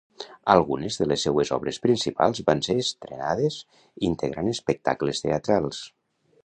Algunes de les seues obres principals van ser estrenades integrant espectacles teatrals.